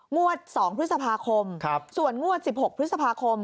งวด๒พฤษภาคมส่วนงวด๑๖พฤษภาคม